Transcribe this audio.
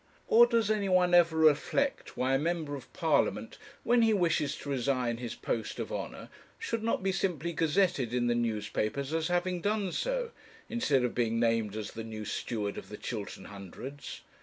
Or does anyone ever reflect why a Member of Parliament, when he wishes to resign his post of honour, should not be simply gazetted in the newspapers as having done so, instead of being named as the new Steward of the Chiltern Hundreds?